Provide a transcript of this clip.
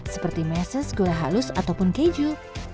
seperti meses gula halus ataupun keju